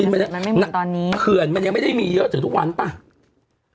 มันไม่หนักตอนนี้เขื่อนมันยังไม่ได้มีเยอะถึงทุกวันป่ะ